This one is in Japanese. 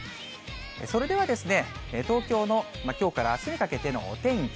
それでは、東京のきょうからあすにかけてのお天気。